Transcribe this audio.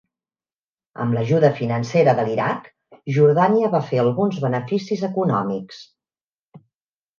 Amb l'ajuda financera de l'Iraq, Jordània va fer alguns beneficis econòmics.